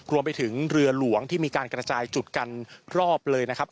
รวมไปถึงเรือหลวงที่มีการกระจายจุดกันรอบเลยนะครับ